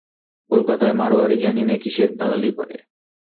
কলকাতায় মাড়োয়ারি জানি নে কিসের দালালি করে।